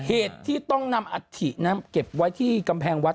เหตุที่ต้องนำอัฐินั้นเก็บไว้ที่กำแพงวัด